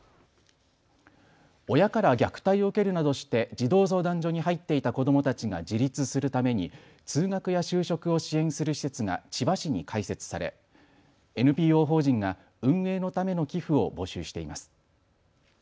親から虐待を受けるなどして児童相談所に入っていた子どもたちが自立するために通学や就職を支援する施設が千葉市に開設されＮＰＯ法人が運営のための寄付を募集しています。